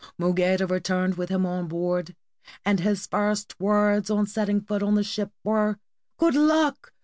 Mougaida returned with him on board, and his first words on setting foot on the ship were " Good luck!